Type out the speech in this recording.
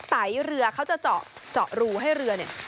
ไตเรือเขาจะเจาะรูให้เรือ